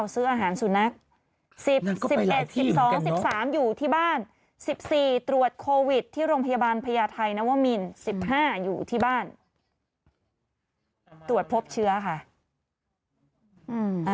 สิบห้าอยู่ที่บ้านตรวจพบเชื้อค่ะ